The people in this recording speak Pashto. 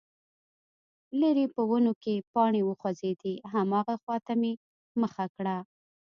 ليرې په ونو کې پاڼې وخوځېدې، هماغې خواته مې مخه کړه،